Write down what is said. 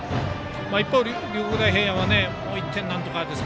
一方、龍谷大平安はもう１点なんとか。